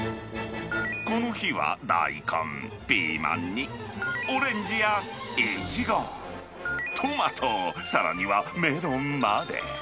この日は大根、ピーマンに、オレンジやイチゴ、トマト、さらにはメロンまで。